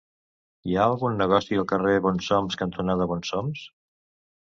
Hi ha algun negoci al carrer Bonsoms cantonada Bonsoms?